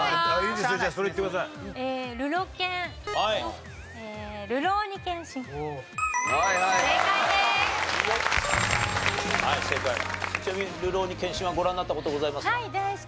ちなみに『るろうに剣心』はご覧になった事ございますか？